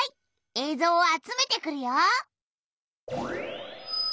えいぞうを集めてくるよ。